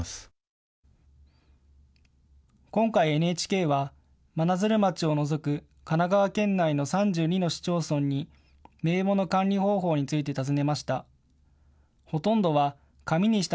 今回、ＮＨＫは真鶴町を除く神奈川県内の３２の市町村に名簿の管理方法について尋ねました。